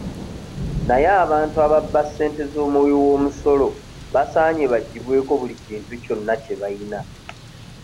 Naye abantu ababba ssente z'omuwiwoomusolo basaanye baggyibweko buli kintu kyonna kye bayina.